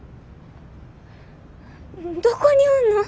どこにおんの？